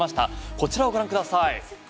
こちらをご覧ください。